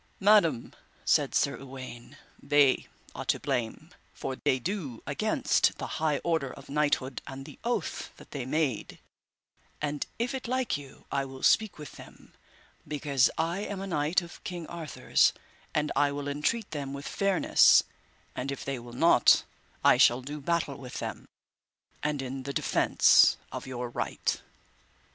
Madam, said Sir Uwaine, they are to blame, for they do against the high order of knighthood, and the oath that they made; and if it like you I will speak with them, because I am a knight of King Arthur's, and I will entreat them with fairness; and if they will not, I shall do battle with them, and in the defence of your right.